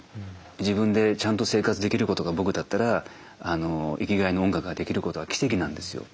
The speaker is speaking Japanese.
自分でちゃんと生活できることが僕だったら生きがいの音楽ができることが奇跡なんですよ。